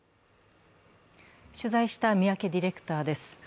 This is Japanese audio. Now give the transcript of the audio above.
取材した三宅ディレクターです。